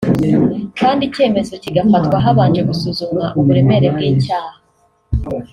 kandi icyemezo kigafatwa habanje gusuzumwa uburemere bw’icyaha